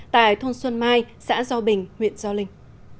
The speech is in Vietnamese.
tại thôn xuân mai xã do bình huyện gio linh